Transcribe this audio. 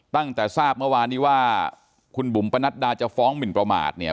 ตั้งแต่ทราบเมื่อวานนี้ว่าคุณบุ๋มปนัดดาจะฟ้องหมินประมาทเนี่ย